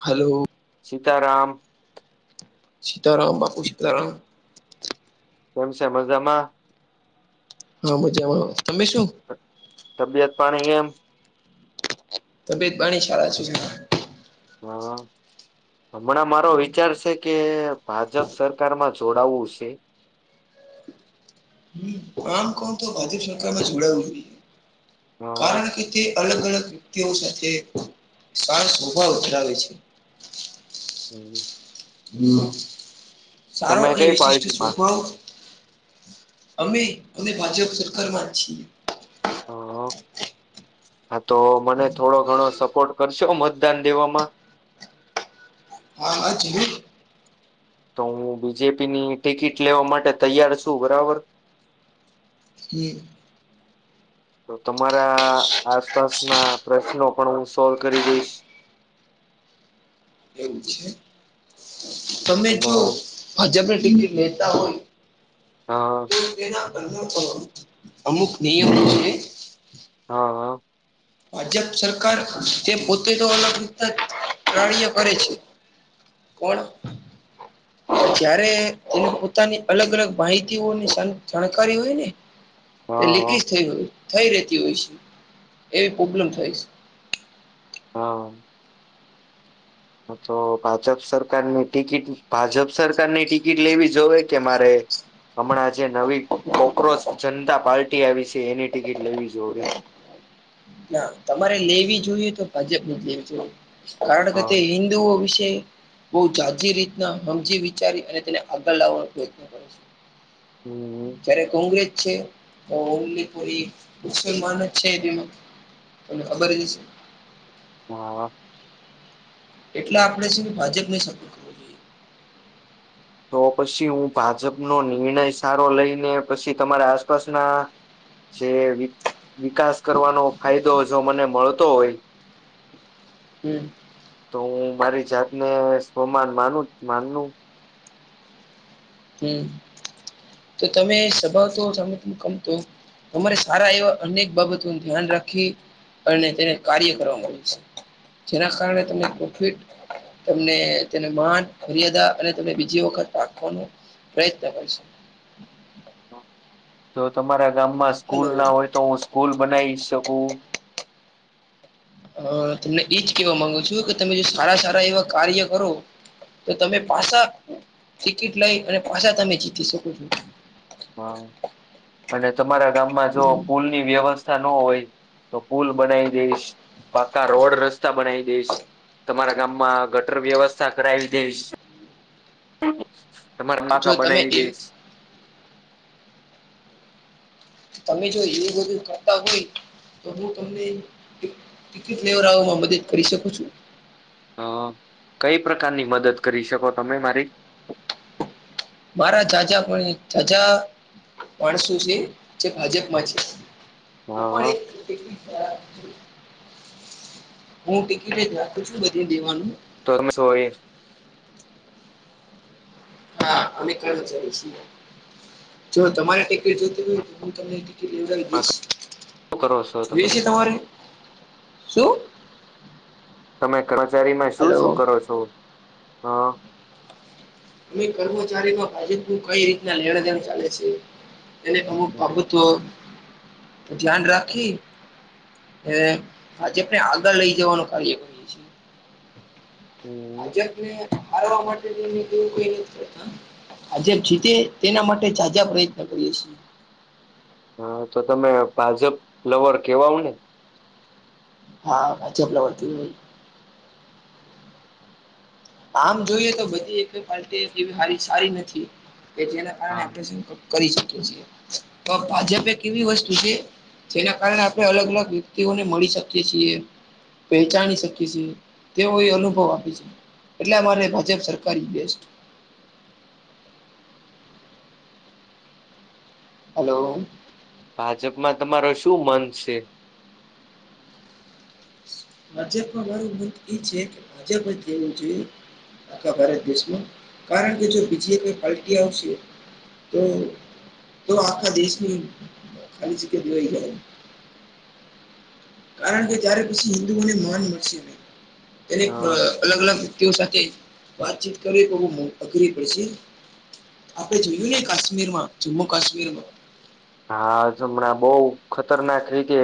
Hello. Sitaram. Sitaram બાપુ સીતારામ. કેમ છે મજામાં? હા મજામાં તમે શું તબિયત પાણી એમ તબિયત બાણી સાળા છું હા હમણાં મારો વિચાર છે કે ભાજપ સરકારમાં જોડાવું છે આમ કોણ તો ભાજપ સરકાર માં જોડાવું હા, કારણ કે અલગ અલગ વ્યક્તિઓ સાથે સ સ્વભાવ ઉ ધરાવે છે [inaudible] હમ સારો તમે અને કઈ વિશિષ્ટ પાર્ટીમાં સ્વભાવ અમે અમે ભાજપ સરકાર માં જ છીએ હ હા તો મને થોડો ઘણો સપોર્ટ કરશો મતદાન દેવામાં [unintelligible] તો હું બીજેપી ની ટિકિટ લેવા માટે તૈયાર છું બરાબર કે તો તમારા આસપાસ ના પ્રશ્નો પણ હું સોલ્વ કરી દઈશ એવું છે તમે અને જો ભાજપને ટીમ લેતા હોય હા તો અમુક નિયમો છે. હા હા ભાજપ સરકાર તે પોતે તો અલગ રીતના પ્રાણીઓ કરે છે કોણ જયારે તેને પોતાની અલગ અલગ માહિતી ઓની જાણકારી હોય ને તે લીક હા થઈ હોય થઈ રતી હોય છે એવી પ્રબ્લેમ થાય છે હા તો ભાજપ સરકારની ટિકિટ ભાજપ સરકારની ટિકિટ લેવી જોઈએ કે મારે હમણાં જે નવી કોક્રોચ જનતા પાર્ટી આવી છે એની ટિકિટ લેવી જો ના તમારે લેવી જોઈએ તો ભાજપ ન જ લેવી જોયએ કારણ કે હા તે હિન્ િ વિશે બહુ જા રીતના સમજી વિચારી અને તેને આગળ લાવવાનો પ્રયત્ન કર્યો [inaudible] હમ જયારે કોંગ્રેજ છે તો ઓલી પરી મુસલમાન જ છે તને ખબર જ છે હા એટલે આપડે સુધી ભાજપ ને શપોત તો પછી હું ભાજપનો નિર્ણય સારો લઈને પછી તમારા આસપાસના જે વિકાસ કરવાનો ફાયદો જો મને મળતો હોય હમ તો હું મારી જાતને સ્વમાન માનું માનનું હમ તો તમે સ્ભાવ તો તમે ત કમતો તમારે સારા એવા અનેક બાબતોનું ધ્યાન રાખી અને તેને કાર્ય કરવાવામાં આવે છે જેના કારણે તને પ્રોફિટ તમને તેને માન મર્યાદા અને તને બીજી વખત રાખવાનું પ્રયત્ન કરીશ જો તમારા ગામમાં હલો સ્કૂલ ના હોય તો હું સ્કૂલ બનાવી શકું હ તમને એજ કેવા માંગુ છું કે તમે જો સારા સારા એવા કાર્ય કરો તો તમે પાછા ટિકિટ લઈ અને પાછા તમે જીતી શકો છો હા અને તમારા ગામમાં જો પુલ ની વ્યવસ્થા ન હોય તો પુલ બનાવી જઈશ પાકા રોડ રસ્તા બનાવી દઈશ તમારા ગામમાં ગટર વ્યવસ્થા કરાવી દઈશ [unintelligible] તમારા જો નાકા તમે બનાવી એવું દઈશ તમે જો એવું બધું કરતા હોય તો હું તમને [unintelligible] [unintelligible] ફ્લેવર આવવામાં મદદ કરી શકો છું અ કઈ પ્રકારની મદદ કરી શકો તમે મારી મારા જાઝા જાજા માણસો છે જે ભાજપમાં છે હ હું પણ એક [unintelligible] હું ટીકિટ જ રાખું છું બધી દેવાનું. તોમે હોય [unintelligible] હા અમે કર્મચારી છી એ જો તમારે ટી કિટ જો હોય શું હું તમને ટિકિટ લેવડાવી દઈશ, કરો છો તમે જોઇ છે તમારે શું? તમે કર્મચારીમાં શું હલો શું કરો છો? હ અમે કર્મચારીમાં ભાજપ નુ કઈ રીતના લેણદેણ ચાલે છે. એને અમુક હમ પ્રભુત્વ ધ્યાન રાખી અ ભાજપ ને આગળ લઈ જવાનું કાર્ય હ ભાજપને હારવા માટે તોવું કોઈ નથી કરતા [unintelligible] [inaudible] ભાજપ જીતે તેના માટે ઝાઝા પ્રયત્ન કરીએ છીએ. હા તો તમે ભાજપ લવર કેવાવ ને હા હ ચોપલા વતી આમ જોઈએ તો બધી એકેય પાર્ટી એવી [unintelligible] સારી નથી કે જેના કારણે હા આપણે કરી શકીએ છીએ તો ભાજપે એક એવી વસ્તુ છે. જેના કારણે આપડણે અલગ મા વ્યક્તિઓને મળી શકીએ છીએ પેહચાની શકીએ છેએ તેવો એ અનુભવ આપે છે. એટલે મારે ભાજપ સરકાર ઇજ બેસ્ટ હલો. ભાજપમાં તમારો શું મન છે? ભાજપમાં મારું મત એ છે કે ભાજપ જ રેવું જોઈએ આખા ભારત દેશમાં કારણ કે જો બીજી કોઈ પાલ્ટી આવશે. તો તો આખા દેશની ખાલી જગ્યા જોઈ જાય. કારણ કે ત્યારે પછી હિન્દુઓને માન મળશે નહી તેને હ અ અલગ અલગ વ્યક્તિઓ સાથે વાતચીત કરવી બહુ અઘરી પડશે આપણે જોયું ને કાશ્મીર માં જમ્મુ કાશ્મીર માં હાજ હમણાં બહુ ખતરનાક રીતે,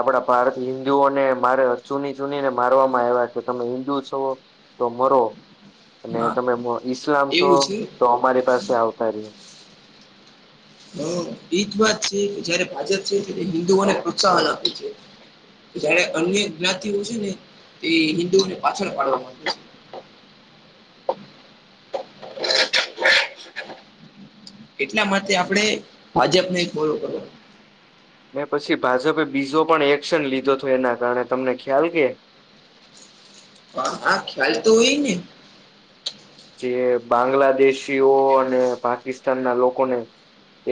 આપડા ભારથી હિન્દુઓને મારે ચૂની ચૂની ને મારવામાં આવ્યા કે તમે હિન્દુ છો તો મરો અને હા તમે ઈસ્લામ છો એવું છે તો અમારી પાસે આવતા રહ્યો હા એ જ વાત છે કે જયારે ભાજપ છે જે તે હિન્દુઓને પ્રોત્સાહન આપે છે. જયારે અન્ય જ્ઞાતિઓ છે ને તે હિન્દુઓને પાછળ પાડવા માંગે છે. એટલા માટે આપડણે ભાજપ ને એક ફોલો કરો મે પછી ભાજપે બીજો પણ એક્શન લીધો તો એના કારણે તમને ખ્યાલ કે હા હા ખ્યાલ તો હોય ને જે બાંગ્લાદેશીઓ અને પાકિસ્તાન ના લોકોને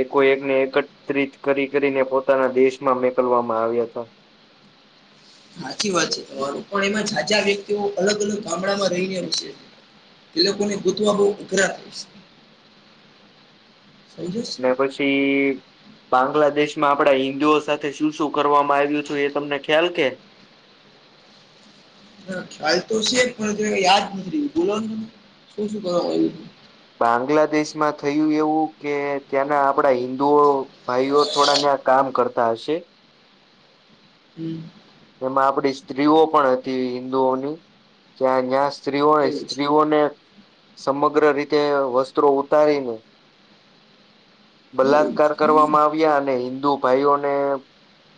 એકો એકને એકત્રત્રિત કરી કરીને પોતાના દેશમાં મોકલવામાં આવ્યા હતા સાચી વાત છે તમારું પણ એમાં ઝાઝા વ્યક્તિઓ અલગ અલગ ગામડામાં રહીને [unintelligible] તે લોકોને ગૂતવા બહુ ઉઘરા થાય છે સમજ [inaudible] [unintelligible] કે પછી બાંગ્લાદેશ માં આપડા હિન્દુઓ સાથે શું શું કરવામાં આવ્યું હતું એ તમને ખ્યાલ કે ના ખ્યાલ તો છે પણ કઈ યાદ નથી [inaudible] બોલો નેને શું શું કરવામ આયુ બાંગ્લાદેશમાં થયું એવું કે ત્યાંના આપડા હિન્દુઓ ભાઈઓ થોડા ત્યાં કામ કરતા હશે. હમ એમાં આપડી સ્ત્રીઓ પણ હતી હિન્ંદુઓની જ્યાં જ્યાં સ્ત્રીઓ એવું છે સ્ત્રીઓને સમગ્ર રીતે વસ્ત્રો ઉતારીને એવું છે બલાત્કાર કરવામાં આવ્યા અને હિન્દુ ભાઈઓને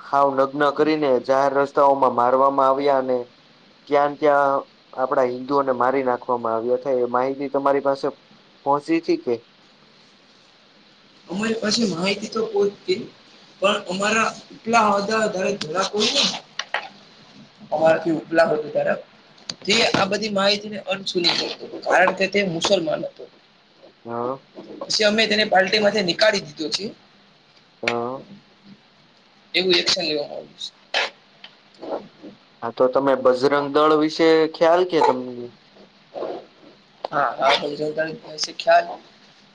હાવ નગ્ન કરીને જાહેર રસ્તાઓમાં મારવામાં આવ્યા અને ક્યાં ને ત્યાં આપણા હિન્દુઓને મારી નાખવામાં આવથ એ માહિતી તમારી પાસે પહોંચીતી કે અમારી પાછી માહિતી તો પહોચતી પણ અમારા એટલા હતા ધરાક ને અમારાથી ઉપલા હતું ત્યારે તે આ બધી માહિતીને અનસૂલી ગણતો હતો કારણ કે તે મુસલમાન હતો હ હ પછી અમે તેને પાલ્ટી માંથી નીકાળી દીધો છે હા એવું એક્શન લેવામાં આવ્યું છે હા તો તમે બજરંગ દળ વિશે ખ્યાલ કે તમને હા [unintelligible] ખ્યાલ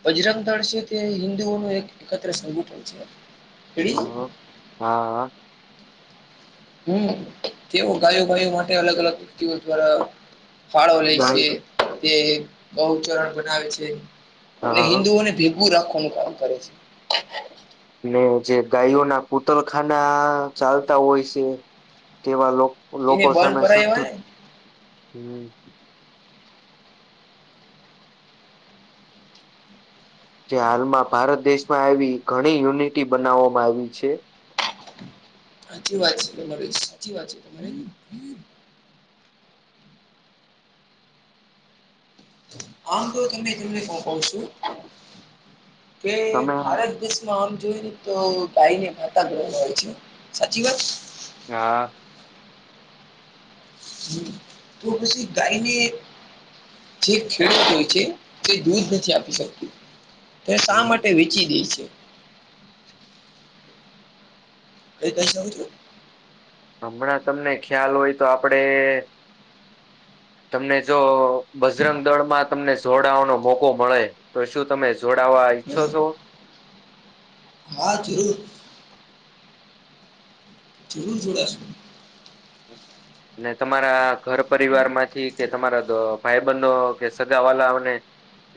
બજરંગ દળ છે તે હિન્દુઓનું એક એકત્ર સંગઠન છે હ [unintelligible] હા હમ તેઓ ગાયો ગાયો માટે અલગ અલગ વ્યતિઓ દ્વારા ફાળો લે છે ગાય તે બહુ ચરણ બનાવે છે અને હા હિન્દુઓને ભેગું રાખવાનું કામ કરે છે ને જે ગાયોના કૂતલખાના ચાલતા હોય છે તેવા લો એને લોકો બંધ સામે સત્ય કરાય એવા ને હમ જે હાલમાં ભારત દેશમાં આવી ઘણી યુનિટી બનાવવામાં આયવી છે સાચી વાત છે તમારે સાચી વાત છે તમારે આમ તો તમને [unintelligible] છું કે તમે ભારત દેશ આમ જો ને તો ગાયને માતા [inaudible] હોય છે સાચી વાત હા હમ તો પછી ગાયને જે ખેડૂત હોય છે તે દૂધ નથી આપી શકતું તો શા માટે વેચી દેય છે એ ત શું [unintelligible] હમણાં તમને ખ્યાલ હોય તો આપડે તમને જો બજરંગ દળમાં તમને જોડાવાનો મોકો મળે તો શું તમે જોડવા ઈચ્છો છો હા જરૂર જરૂર જોડાશું ને તમારા ઘર પરિવાર માંથી કે તમારા ભાઈ બેનો કે સગા વાલાઓને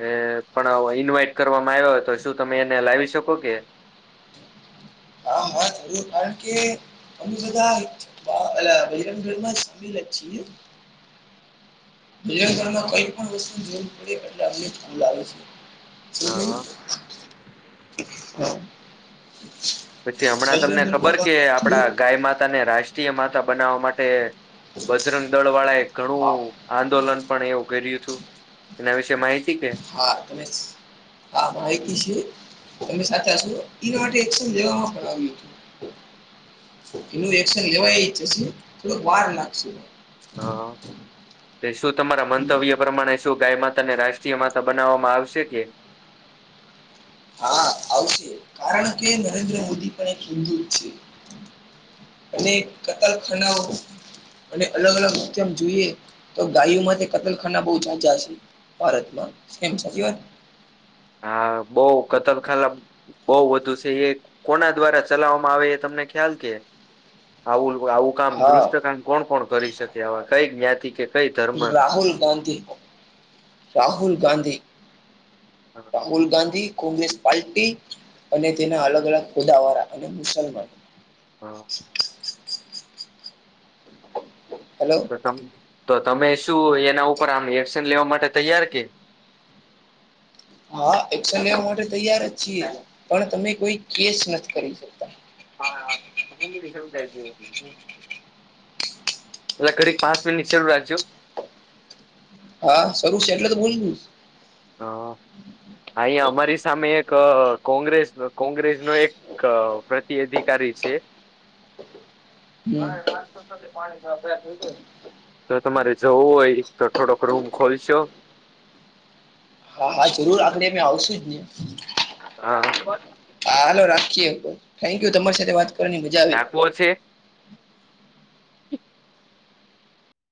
એ પણ ઇન્વાઈટ કરવામાં આવ્યો હોય તો શું તમે એને લાવી શકો કે હાં હાં જરૂર કારણ કે અમે બધા આ પહેલા બજરંગ દળમાં જ સમી લક્ષી બજરંગ દળ મા કઈ પણ વસ્તુ જોવું પડે એટલે અમને છે હા [inaudible] હા પછી હમણાં તમને ખબર કે આપડા ગાય માતા ને રાશ ટીય માતા બનાવવા માટે બજરંગ દળ વાળા એ હા ઘણું આંદોલન પણ એ ઉઘર્યું હતું એના વિશેે માહિતી કે હા તમે હા માહિતી છે તમે સાચાશો ઈ માટે એક્સન લેવામાં આવ્યું તું એનું એક્શન લેવાય જશે થોડોક વાર લાગશે હા પે શું તમારા મંતવ્ય પ્રમાણે શું ગાય માતા ને રાષ્ટ્રીય માતા બનાવામાં આવશે કે હા આવશે કારણ કે નરેન્દ્ર મોદી પણ એક હિન્દૂ છે અને કતલ ખાનાઓ અને અલગ અલગ [unintelligible] જોઈએ તો ગાયોમાં તે કતલખાના બવ ઝાઝા છે ભારતમાં કેમ સાચી વાત હા બોવ કતલખાના બોઉ વધુ છે એ કોના દ્વારા ચલાવવામાં આવે એ તમને ખ્યાલ કે આવું આવું કામ હા દુષ્ટ કામ કોણ કોણ કરી શકે આવા કઈ જ્ઞાતિ કે કઈ ધર્મ રાહુલ ગંધી, રાહુલ ગંધી. રાહુલ ગાંધી કોંગ્રેસ પલ્ટી અને તેના અલગ અલગ ખુદાવાળા અને મુસલમાનો હા. હલો તો તો તમે શું એના ઉપર આમ એક્શન લેવા માટે તૈયાર કે હા, એક્શન લેવા માટે તૈયાર જ છીએ પણ તમે કોઈ કેસ નથી કરી શ હા, તમા રસ ટાય એ ઘડી પાચ મિનિ ચરૂ રાજ્યો હા, શું છે એટલે તો ભૂલવું હ અંયા અમારી સામે એક કોંગ્રેસ, કોંગ્રેસ નો એક અ પ્રતિ અધિકારી છે. ઓછ હા, રાતો પાણીભ થયું ગ જો તમારે જવું હોય તો થોડોક રૂમ ખોલશો હા, હા જરૂર આગડે અમે આવશું જ ને હા. હા હાલો રાખીએ, થેન્ક યુ તમારી સાથે વાત કરવાની મજા આવે. પો છે.